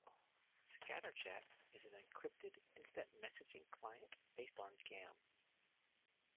ScatterChat is an encrypted instant messaging client based on Gaim.